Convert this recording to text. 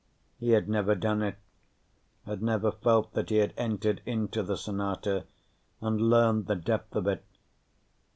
He had never done it, had never felt that he had entered into the sonata and learned the depth of it.